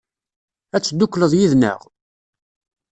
Ad teddukleḍ yid-neɣ?